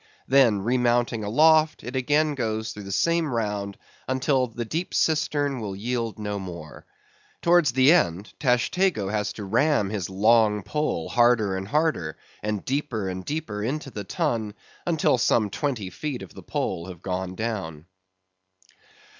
Then remounting aloft, it again goes through the same round until the deep cistern will yield no more. Towards the end, Tashtego has to ram his long pole harder and harder, and deeper and deeper into the Tun, until some twenty feet of the pole have gone down.